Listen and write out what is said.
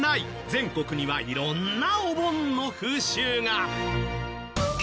全国には色んなお盆の風習が。